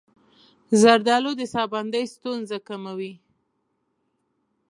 زردآلو د ساه بندۍ ستونزې کموي.